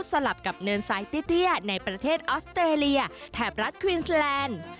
สลับกับเนินซ้ายเตี้ยในประเทศออสเตรเลียแถบรัฐควีนสแลนด์